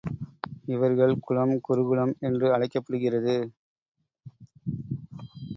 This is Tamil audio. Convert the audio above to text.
இவர்கள் குலம் குருகுலம் என்று அழைக்கப்படுகிறது.